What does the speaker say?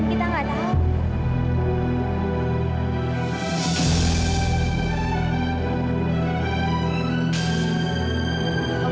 kita gak ada hal